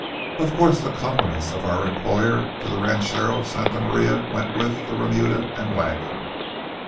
Of course, the compliments of our employer to the ranchero of Santa Maria went with the remuda and wagon.